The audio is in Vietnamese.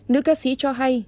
nữ ca sĩ cho hay